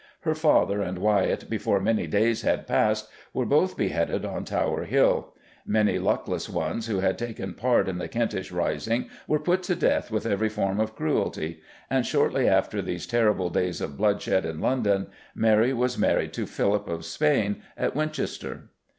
Her father and Wyatt, before many days had passed, were both beheaded on Tower Hill; many luckless ones who had taken part in the Kentish rising were put to death with every form of cruelty; and, shortly after these terrible days of bloodshed in London, Mary was married to Philip of Spain at Winchester.